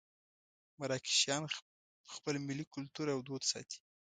مراکشیان خپل ملي کولتور او دود ساتي.